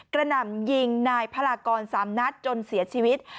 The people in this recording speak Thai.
หน่ำยิงนายพลากร๓นัดจนเสียชีวิต